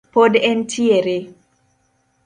Pod en tiere